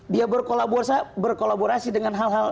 dia berkolaborasi dengan hal hal